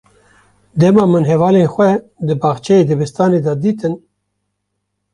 Dema min hevalên xwe di baxçeyê dibistanê de dîtin.